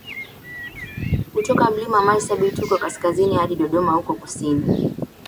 kutoka Mlima Marsabit huko kaskazini hadi Dodoma huko kusini